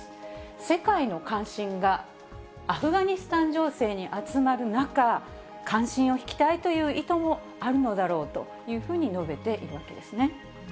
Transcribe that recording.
世界の関心がアフガニスタン情勢に集まる中、関心を引きたいという意図もあるのだろうというふうに述べているわけですね。